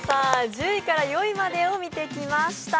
１０位から４位までを見てきました。